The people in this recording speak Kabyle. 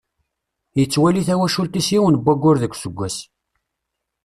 Yettwali tawacult-is yiwen n wayyur deg useggas.